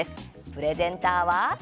プレゼンターは。